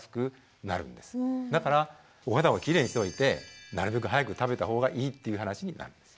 だからお肌をきれいにしておいてなるべく早く食べた方がいいっていう話になるんです。